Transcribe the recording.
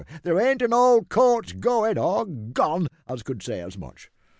There ain't a old coach goin', or gone, as could say as much.